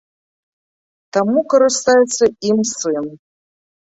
Таму карыстаецца ім сын.